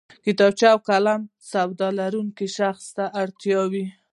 کتابچه او قلم د سواد لرونکی شخص اړتیا وي